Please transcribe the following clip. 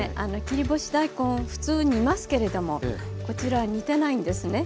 切り干し大根普通煮ますけれどもこちらは煮てないんですね。